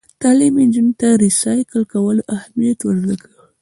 تعلیم نجونو ته د ریسایکل کولو اهمیت ور زده کوي.